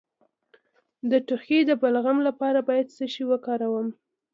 د ټوخي د بلغم لپاره باید څه شی وکاروم؟